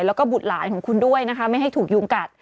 แล้วก็บุตรหลานของคุณด้วยนะคะ